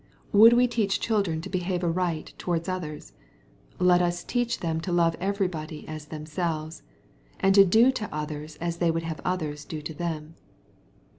Would we teach children to behave aright towards 294 EXPOSITOBT THOUGHTS. othere ? Let as teach them to love everybody as them« selves, and do to others as they would have others do to them.